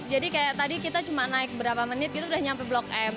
jadi kayak tadi kita cuma naik berapa menit gitu udah nyampe blok m